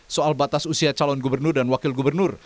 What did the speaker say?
soal batas usia calon gubernur dan wakil gubernur